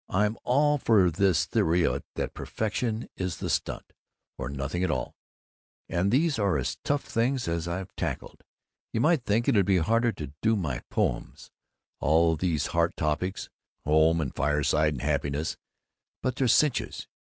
I'm all for this theory that perfection is the stunt, or nothing at all, and these are as tough things as I ever tackled. You might think it'd be harder to do my poems all these Heart Topics: home and fireside and happiness but they're cinches.